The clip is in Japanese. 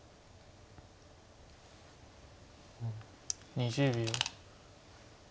２０秒。